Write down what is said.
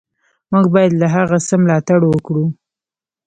موږ باید له هغه څه ملاتړ وکړو.